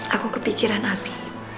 aku kepikiran abi